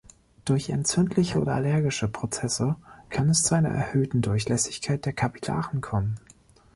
Durch entzündliche oder allergische Prozesse kann es zu einer erhöhten Durchlässigkeit der Kapillaren kommen.